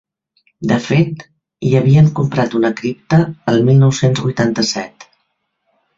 De fet, hi havien comprat una cripta el mil nou-cents vuitanta-set.